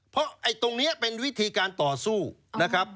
เพราะไอ้ตรงนี้เป็นวิธีการต่อสู้นะครับ